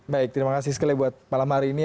baik terima kasih sekali buat malam hari ini